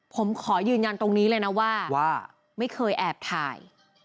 ผมขอยืนยันตรงนี้เลยนะว่าไม่เคยแอบถ่าย